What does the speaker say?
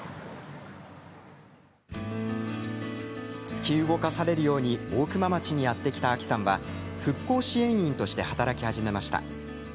突き動かされるように大熊町にやって来た亜紀さんは復興支援員として働き始めました。